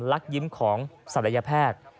ลักยิ้มของศัลยแพทย์